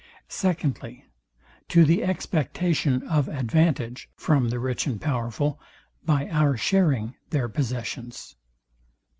SECONDLY, To the expectation of advantage from the rich and powerful by our sharing their possessions.